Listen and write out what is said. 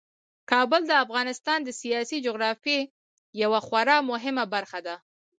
کابل د افغانستان د سیاسي جغرافیې یوه خورا مهمه برخه ده.